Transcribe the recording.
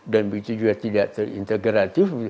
dan begitu juga tidak terintegratif